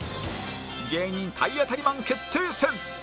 芸人体当たりマン決定戦！